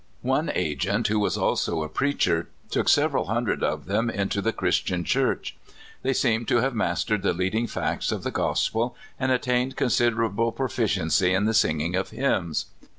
One agent, who was also a preacher, took several hundred of them into the Christian Church. They seemed to have mastered the leading facts of the gospel, and attained con siderable proficiency in the singing of hymns.